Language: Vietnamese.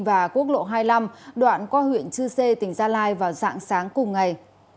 và quốc lộ hai mươi năm đoạn qua huyện chư sê tỉnh gia lai vào dạng sáng cùng ngày